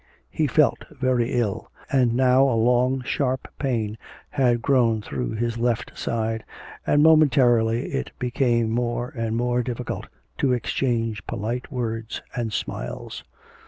He felt very ill, and now a long sharp pain had grown through his left side, and momentarily it became more and more difficult to exchange polite words and smiles.